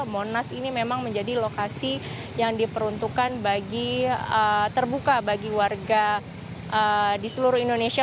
monas ini memang menjadi lokasi yang diperuntukkan bagi terbuka bagi warga di seluruh indonesia